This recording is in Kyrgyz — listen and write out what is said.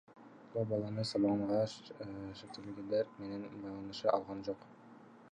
Клооп баланы сабаганга шектелгендер менен байланыша алган жок.